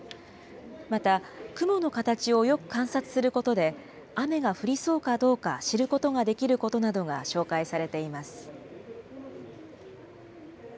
また、雲の形をよく観察することで、雨が降りそうかどうか知ることができることなどが紹介されています。